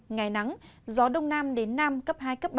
ngày nắng gió đông nam đến nam cấp hai cấp ba